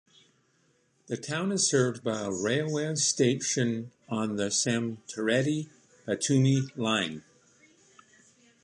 The town is served by a railway station on the Samtredia - Batumi line.